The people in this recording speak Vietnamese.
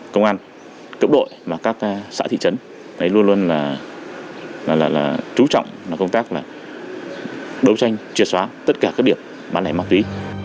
công an cộng đội và các xã thị trấn luôn luôn là trú trọng công tác đấu tranh triệt xóa tất cả các điểm bán lẻ ma túy